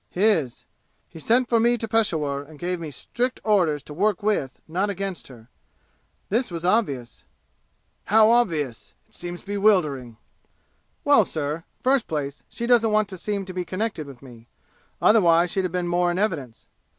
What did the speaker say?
"His. He sent for me to Peshawur and gave me strict orders to work with, not against her. This was obvious." "How obvious? It seems bewildering!" "Well, sir, first place, she doesn't want to seem to be connected with me. Otherwise she'd have been more in evidence.